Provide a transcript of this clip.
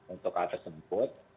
untuk hal tersebut